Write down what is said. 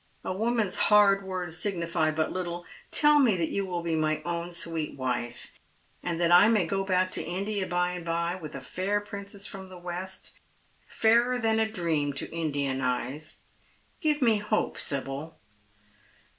A woman's hard "words signify but little. Tell me that you will be my own sweet ■wife, that I may go back to India by and bye, with a fair princess from the west — fairer than a dream to Indian eyes. Give me hope, Sibyl."